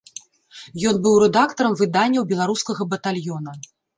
Ён быў рэдактарам выданняў беларускага батальёна.